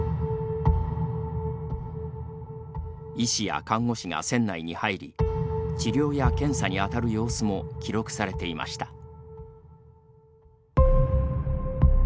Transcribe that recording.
医師や看護師が船内に入り治療や検査にあたる様子も記録されていました。